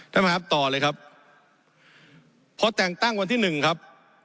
นะครับต่อเลยครับพอแต่งตั้งวันที่๑ครับ